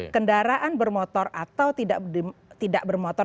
kendaraan bermotor atau tidak bermotor